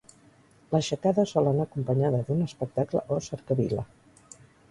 L'aixecada sol anar acompanyada d'un espectacle o cercavila.